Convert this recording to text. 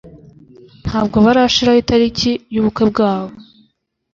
Ntabwo barashiraho itariki yubukwe bwabo.